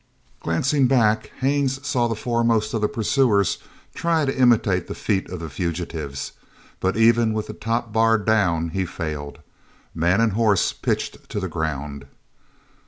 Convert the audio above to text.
Glancing back Haines saw the foremost of the pursuers try to imitate the feat of the fugitives, but even with the top bar down he failed. Man and horse pitched to the ground.